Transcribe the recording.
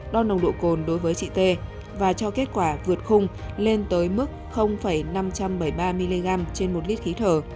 đo nồng độ cồn đối với chị t và cho kết quả vượt khung lên tới mức năm trăm bảy mươi ba mg trên một lít khí thở